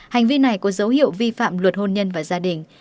hành vi này có dấu hiệu vi phạm luật hôn nhân và gia đình